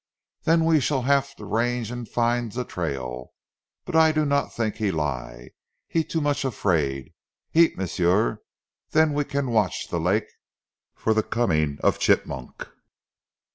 "Then we shall haf to range an' find zee trail. But I do not tink he lie. He too mooch afraid! Eat, m'sieu, den we can watch zee lak' for zee comin' of Chigmok."